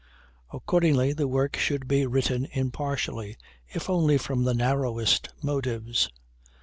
Accordingly the work should be written impartially, if only from the narrowest motives.